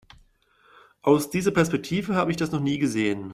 Aus dieser Perspektive habe ich das noch nie gesehen.